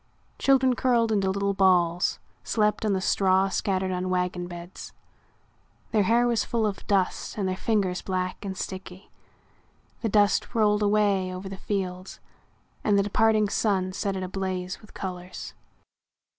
Children, curled into little balls, slept on the straw scattered on wagon beds. Their hair was full of dust and their fingers black and sticky. The dust rolled away over the fields and the departing sun set it ablaze with colors.